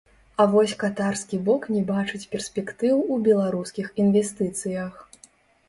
А вось катарскі бок не бачыць перспектыў у беларускіх інвестыцыях.